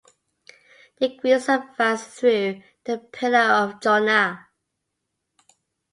The Greeks advanced through the Pillar of Jonah.